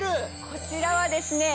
こちらはですね